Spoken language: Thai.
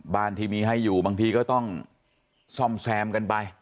บ้านที่มีให้อยู่บางทีก็ต้องซ่อมแซมกันไป